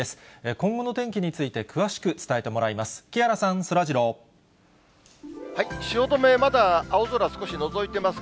今後の天気について詳しく伝えてもらいます。